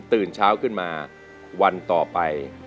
ตื่นเช้าขึ้นมาวันต่อไป